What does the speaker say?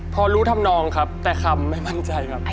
พอรู้ทำนองครับแต่คำไม่มั่นใจครับ